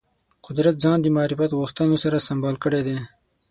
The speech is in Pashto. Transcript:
قدرت ځان د معرفت غوښتنو سره سمبال کړی دی